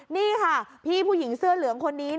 นี่ค่ะพี่ผู้หญิงเสื้อเหลืองคนนี้